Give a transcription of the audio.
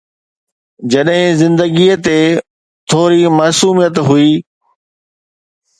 جڏهن زندگي تي ٿوري معصوميت هئي.